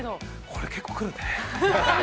◆これ結構来るね。